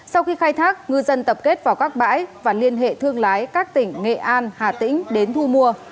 sau khi khai thác ngư dân tập kết vào các bãi và liên hệ thương lái các tỉnh nghệ an hà tĩnh đến thu mua